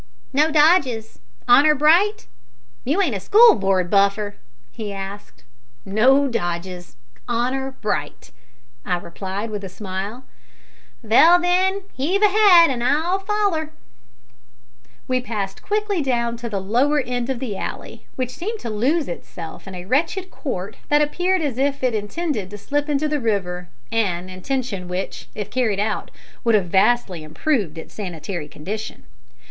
"No dodges? Honour bright? You ain't a school board buffer?" he asked. "No dodges. Honour bright," I replied, with a smile. "Vell, then, heave ahead, an' I'll foller." We passed quickly down to the lower end of the alley, which seemed to lose itself in a wretched court that appeared as if it intended to slip into the river an intention which, if carried out, would have vastly improved its sanitary condition.